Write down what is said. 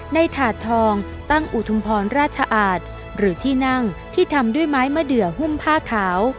ถาดทองตั้งอุทุมพรราชอาจหรือที่นั่งที่ทำด้วยไม้มะเดือหุ้มผ้าขาว